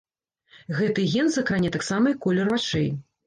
Гэты ген закране таксама і колер вачэй.